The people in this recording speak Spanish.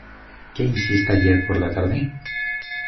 ¿Qué hiciste ayer por la tarde?